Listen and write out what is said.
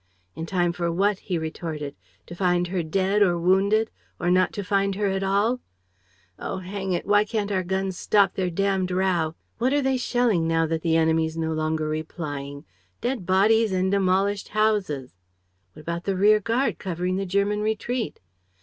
"In time for what?" he retorted. "To find her dead or wounded? Or not to find her at all? Oh, hang it, why can't our guns stop their damned row? What are they shelling, now that the enemy's no longer replying? Dead bodies and demolished houses! ..." "What about the rearguard covering the German retreat?"